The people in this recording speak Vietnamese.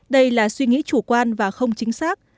đây là suy nghĩ chủ quan và không chính xác